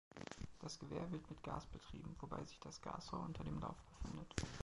Das Gewehr wird mit Gas betrieben, wobei sich das Gasrohr unter dem Lauf befindet.